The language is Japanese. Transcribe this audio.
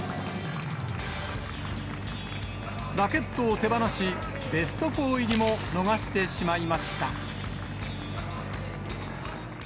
ラケットを手放し、ベスト４入りも逃してしまいました。